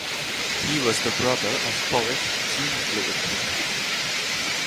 He was the brother of poet Jean Blewett.